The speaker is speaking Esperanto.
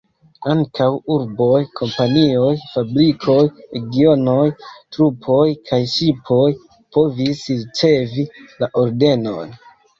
Ankaŭ urboj, kompanioj, fabrikoj, regionoj, trupoj kaj ŝipoj povis ricevi la ordenon.